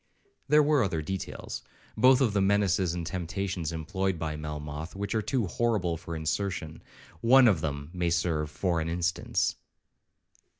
(There were other details, both of the menaces and temptations employed by Melmoth, which are too horrible for insertion. One of them may serve for an instance).